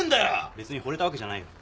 別にほれたわけじゃないよ。